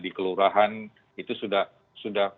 di kelurahan itu sudah